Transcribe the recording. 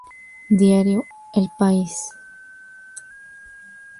Diario el País.